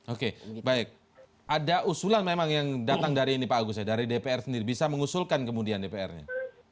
oke baik ada usulan memang yang datang dari ini pak agus ya dari dpr sendiri bisa mengusulkan kemudian dpr nya